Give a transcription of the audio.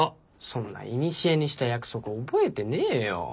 そんないにしえにした約束覚えてねえよ。